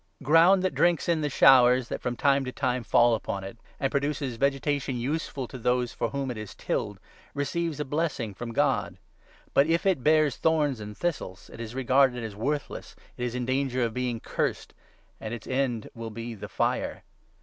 Ground that drinks in 7 the showers that from time to time fall upon it, and produces vegetation useful to those for whom it is tilled, receives a blessing from God ; but, if it ' bears thorns and thistles,' it is 8 regarded as worthless, it is in danger of being ' cursed,' and its end will be the fire.